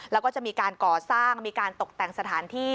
แล้วก็จะมีการก่อสร้างมีการตกแต่งสถานที่